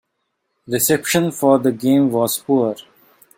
Reception for the game was poor.